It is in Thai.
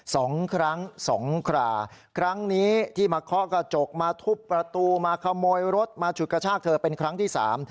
สองครั้งสองคราครั้งนี้ที่มาเคาะกระจกมาทุบประตูมาขโมยรถมาฉุดกระชากเธอเป็นครั้งที่สาม